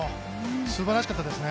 素晴らしかったですね。